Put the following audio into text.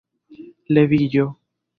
Leviĝo!